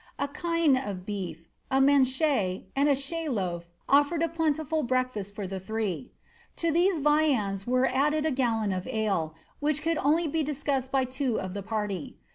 A chine of beef, a manchet, and a chet loaf, ofiiered a plentiful breakfast for the three ; to these viands was added a gallon of ale, which could only be discussed by two of the party.